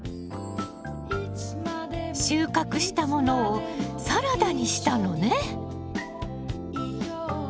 収穫したものをサラダにしたのね！